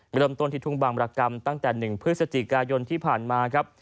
เริ่มต้นที่ทุ่งบางบรกรรมตั้งแต่๑พฤศจิกายนที่ผ่านมาครับ